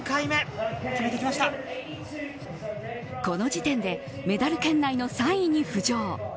この時点でメダル圏内の３位に浮上。